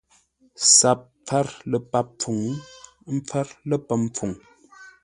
SAP pfár ləpap pfuŋ, ə́ pfár ləpəm pfuŋ.